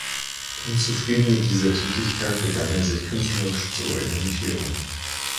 Unzufrieden mit dieser Tätigkeit, begann er sich künstlerisch zu orientieren.